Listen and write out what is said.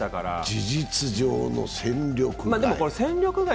事実上の戦力外。